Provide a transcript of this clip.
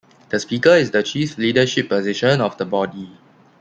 The Speaker is the chief leadership position of the body.